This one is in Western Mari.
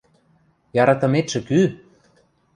– Яратыметшӹ кӱ?